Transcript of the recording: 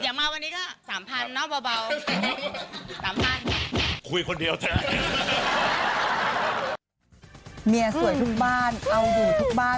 อย่ามาวันนี้ก็สัมพันธุ์เนาะเบา